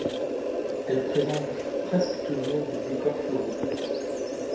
Elles présentent presque toujours des décors floraux.